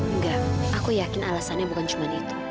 enggak aku yakin alasannya bukan cuma itu